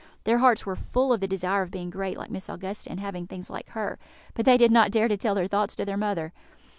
Their hearts were full of the desire of being great, like Miss Augusta, and having things like her; but they did not dare to tell their thoughts to their mother.